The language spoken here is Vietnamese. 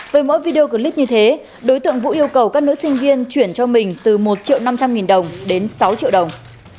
với mỗi video clip như thế đối tượng vũ yêu cầu các nữ sinh viên chuyển cho mình từ một triệu năm trăm linh nghìn đồng đến sáu triệu đồng